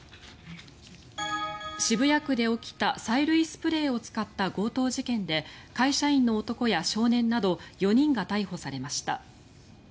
渋谷区で起きた催涙スプレーを使った強盗事件で会社員の男や少年など４人が逮捕されました。